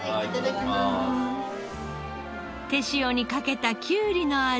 手塩にかけたきゅうりの味。